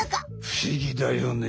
不思議だよね。